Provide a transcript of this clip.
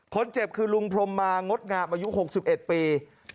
คนเจ็บคือลุงพรมมางดงามอายุ๖๑ปี